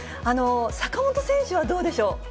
坂本選手はどうでしょう。